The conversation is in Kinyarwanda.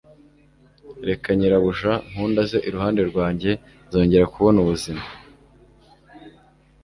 reka nyirabuja nkunda aze iruhande rwanjye, nzongera kubona ubuzima